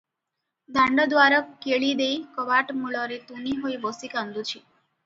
ଦାଣ୍ଡଦୁଆର କିଳି ଦେଇ କବାଟମୂଳରେ ତୁନି ହୋଇ ବସି କାନ୍ଦୁଛି ।